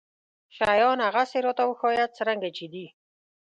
شيان هغسې راته وښايه څرنګه چې دي.